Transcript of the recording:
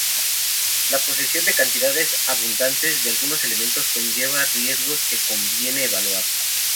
La posesión de cantidades abundantes de algunos elementos conlleva riesgos que conviene evaluar.